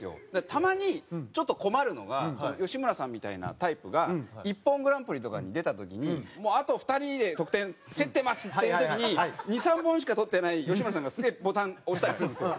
たまにちょっと困るのが吉村さんみたいなタイプがＩＰＰＯＮグランプリとかに出た時にもうあと２人で得点競ってますっていう時に２３本しか取ってない吉村さんがすげえボタン押したりするんですよ。